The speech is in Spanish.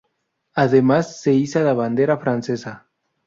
Además se iza la bandera francesa.